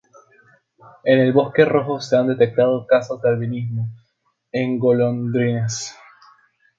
En el bosque rojo se han detectado casos de albinismo en golondrinas.